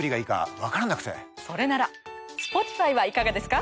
それならＳｐｏｔｉｆｙはいかがですか？